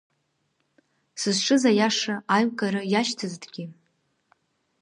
Сызҿыз аиаша аилкаара иашьҭазҭгьы?